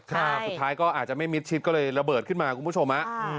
คุณผู้ชมค่ะสุดท้ายก็อาจจะไม่มิตรชิดก็เลยระเบิดขึ้นมาคุณผู้ชม